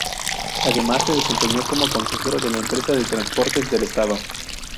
Además se desempeñó como consejero de la Empresa de Transportes del Estado.